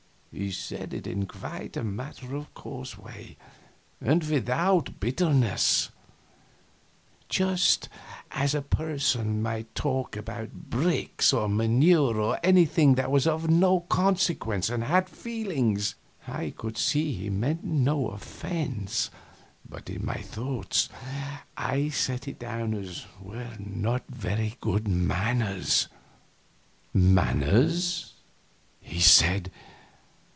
He said it in a quite matter of course way and without bitterness, just as a person might talk about bricks or manure or any other thing that was of no consequence and hadn't feelings. I could see he meant no offense, but in my thoughts I set it down as not very good manners. "Manners!" he said.